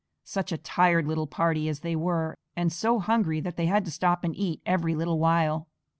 Such a tired little party as they were, and so hungry that they had to stop and eat every little while.